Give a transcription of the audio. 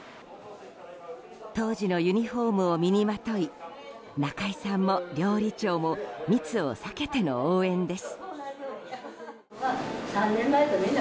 当時のユニホームを身にまとい仲居さんも料理長も密を避けての応援です。